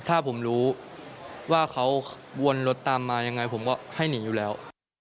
ถ้าผมรู้ว่าเขาวนรถตามมายังไงผมก็ให้หนีอยู่แล้ว